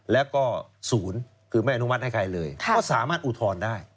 แล้วก็ศูนย์คือไม่อนุมัติให้ใครเลยก็สามารถอุทธรณ์ได้